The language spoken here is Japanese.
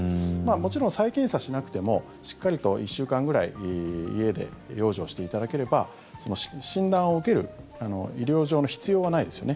もちろん再検査しなくてもしっかりと１週間ぐらい家で養生していただければ診断を受ける医療上の必要はないですよね。